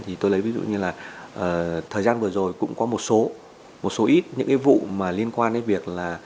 thì tôi lấy ví dụ như là thời gian vừa rồi cũng có một số ít những vụ liên quan đến việc là